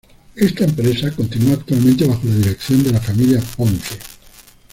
Esta empresa continúa actualmente bajo la dirección de la familia Ponce.